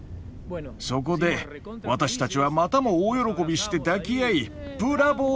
そこで私たちはまたも大喜びして抱き合い「ブラボー！」